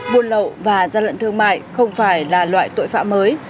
buôn lậu và gian lận thương mại không phải là loại tội phạm mới